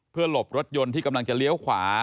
เพื่อหลบรถยนต์ที่กำลังจะเลี้ยวขวา